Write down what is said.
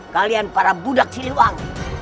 kalian para budak silihuang